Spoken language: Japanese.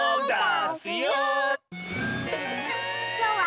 きょうは。